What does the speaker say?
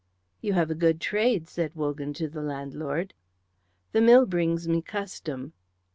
"You have a good trade," said Wogan to the landlord. "The mill brings me custom."